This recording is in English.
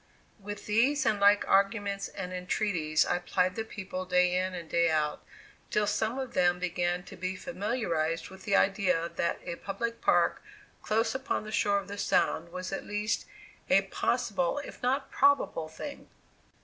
With these and like arguments and entreaties I plied the people day in and day out, till some of them began to be familiarized with the idea that a public park close upon the shore of the Sound was at least a possible if not probable thing.